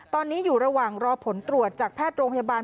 ตอนนี้อยู่ระหว่างรอผลตรวจจากแพทย์โรงพยาบาล